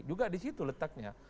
juga disitu letaknya